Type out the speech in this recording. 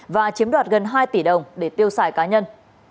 và chiếm đoạt gần hai tỷ đồng để tiêu xài cá nhân